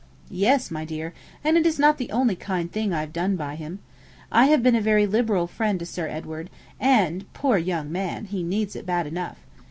'Yes, my dear; and it is not the only kind thing I have done by him. I have been a very liberal friend to Sir Edward; and, poor young man, he needs it bad enough.